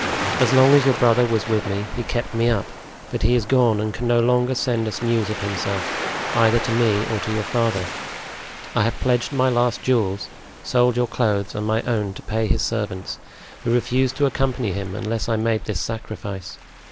As long as your brother was with me he kept me up; but he is gone and can no longer send us news of himself, either to me or to your father. I have pledged my last jewels, sold your clothes and my own to pay his servants, who refused to accompany him unless I made this sacrifice.